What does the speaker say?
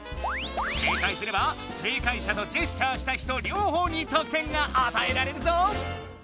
正解すれば正解者とジェスチャーした人りょう方にとく点があたえられるぞ！